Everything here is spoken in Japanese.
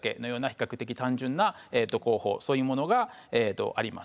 比較的単純な工法そういうものがあります。